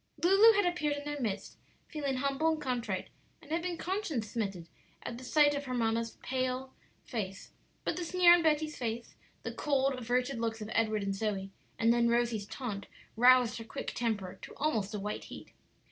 Lulu had appeared in their midst, feeling humble and contrite, and had been conscience smitten at sight of her mamma's pale face; but the sneer on Betty's face, the cold, averted looks of Edward and Zoe, and then Rosie's taunt roused her quick temper to almost a white heat.